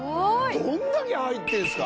どんだけ入ってるんですか！